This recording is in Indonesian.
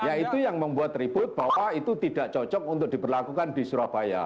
ya itu yang membuat ribut bahwa itu tidak cocok untuk diberlakukan di surabaya